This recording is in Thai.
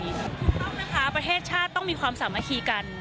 ถูกต้องนะคะประเทศชาติต้องมีความสามัคคีกัน